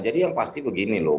jadi yang pasti begini loh